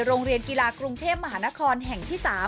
โรงเรียนกีฬากรุงเทพมหานครแห่งที่๓